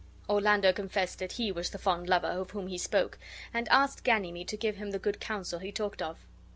Orlando confessed that he was the fond lover of whom he spoke,, and asked Ganymede to give him the good counsel he talked Of.